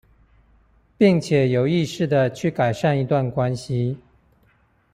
並且有意識地去改善一段關係